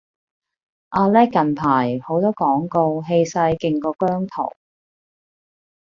阿叻近排好多廣告，氣勢勁過姜濤